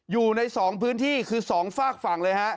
อยู่ใน๒พื้นที่คือ๒ฝากฝั่งเลยฮะ